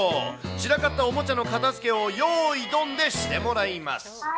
散らかったおもちゃの片づけをよーいドンで、してもらいます。